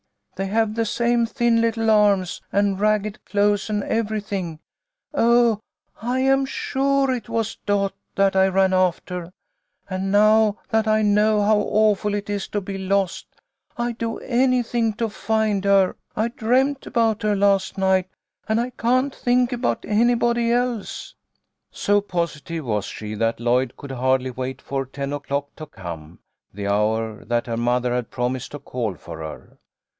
" They have the same thin little arms and ragged clothes and everything. Oh, I am sure it was Dot that I ran after, and now that I know how awful it is to be lost, I'd do anything to find her. I dreamed about her last night, and I can't think about anybody else." So positive was she, that Lloyd could hardly wait 200 LLOYD MAKES A DISCOVERY. 2OI for ten o'clock to come, the hour that her mother had promised to call for her.